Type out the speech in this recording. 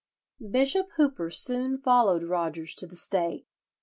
Bishop Hooper soon followed Rogers to the stake.